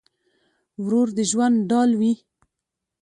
ورور د ژوند ډال وي.